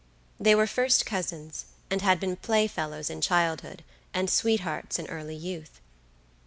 They were first cousins, and had been play fellows in childhood, and sweethearts in early youth.